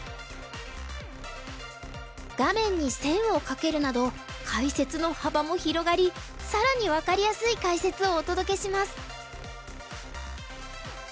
画面に線を書けるなど解説の幅も広がり更に分かりやすい解説をお届けします。